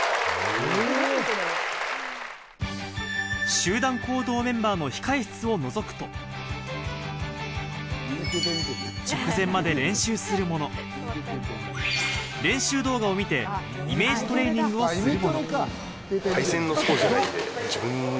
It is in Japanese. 集団行動メンバーの控え室をのぞくと、直前まで練習する者、練習動画を見てイメージトレーニングをする者。